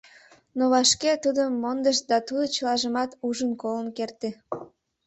Но вашке тудым мондышт да тудо чылажымат ужын-колын керте.